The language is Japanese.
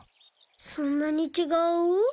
そんなにちがう？